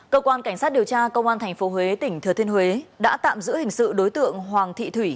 cơ quan cảnh sát điều tra công an tp huế tỉnh thừa thiên huế đã tạm giữ hình sự đối tượng hoàng thị thủy